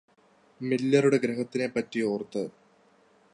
മില്ലറുടെ ഗ്രഹത്തിനെപ്പറ്റിയോര്ത്ത്